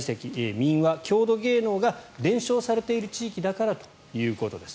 民話・郷土芸能が伝承されている地域だからということです。